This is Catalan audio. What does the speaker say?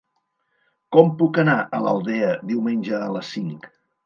Com puc anar a l'Aldea diumenge a les cinc?